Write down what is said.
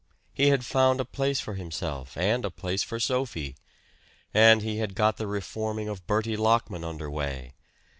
He had found a place for himself and a place for Sophie. And he had got the reforming of Bertie Lockman under way!